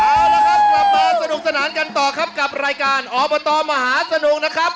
เอาละครับกลับมาสนุกสนานกันต่อครับกับรายการอบตมหาสนุกนะครับ